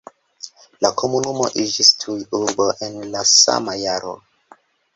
La komunumo iĝis tuj urbo en la sama jaro.